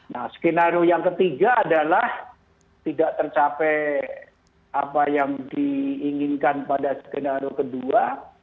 nah skenario yang ketiga adalah tidak tercapai apa yang diinginkan pada skenario kedua